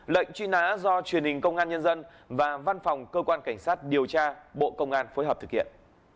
lệnh truy nã do truyền hình công an nhân dân và văn phòng cơ quan cảnh sát điều tra bộ công an phối hợp thực hiện